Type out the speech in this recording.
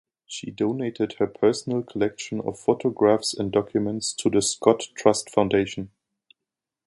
She donated her personal collection of photographs and documents to the Scott Trust Foundation.